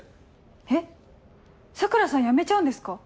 えっ桜さん辞めちゃうんですか？